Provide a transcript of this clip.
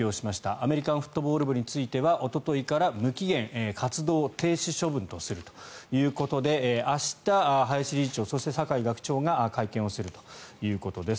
アメリカンフットボール部についてはおとといから無期限活動停止処分とするということで明日林理事長、そして酒井学長が会見をするということです。